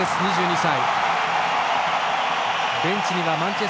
２２歳。